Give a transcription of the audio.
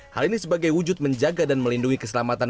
hal ini sebagai wujud menjaga dan melindungi keselamatan